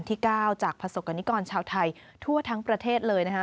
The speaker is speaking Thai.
ในหลวงราชการที่๙จากประสบกรณิกรชาวไทยทั่วทั้งประเทศเลยนะฮะ